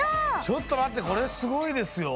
ちょっとまってこれすごいですよ。